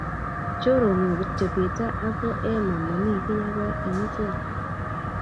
Choronok kityo Peter ago Emma mami giy age eng ichek